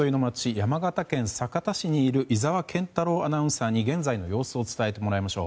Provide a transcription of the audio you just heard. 山形県酒田市にいる井澤健太朗アナウンサーに現在の状況を伝えてもらいましょう。